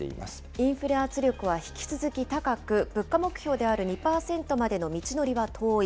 インフレ圧力は引き続き高く、物価目標である２％までの道のりは遠い。